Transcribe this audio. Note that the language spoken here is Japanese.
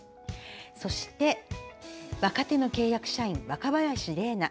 そして若手の契約社員、若林令奈。